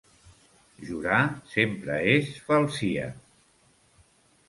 Jurar sempre és falsia.